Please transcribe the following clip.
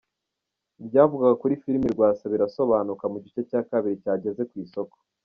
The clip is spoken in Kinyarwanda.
Ibyavugwaga kuri filimi Rwasa birasobanuka mu gice cya kabiri cyageze ku isoko